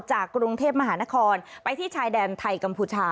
จากกรุงเทพมหานครไปที่ชายแดนไทยกัมพูชา